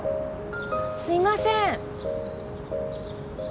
すいません。